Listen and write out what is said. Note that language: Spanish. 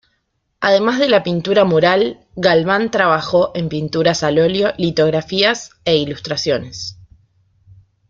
Además de la pintura mural, Galván trabajó en pinturas al óleo, litografías e ilustraciones.